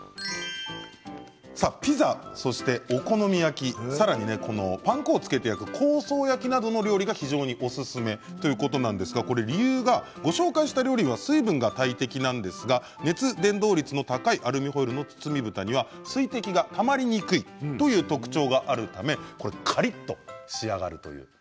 ピザ、お好み焼き、さらにパン粉をつけて焼く香草焼きなどの料理が非常におすすめということなんですが理由はご紹介した料理は水分が大敵なんですが熱伝導率の高いアルミホイルの包みぶたには水滴がたまりにくいという特徴があるためカリっと仕上がるという。